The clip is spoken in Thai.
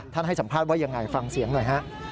ท่านให้สัมภาษณ์ไว้อย่างไรฟังเสียงหน่อย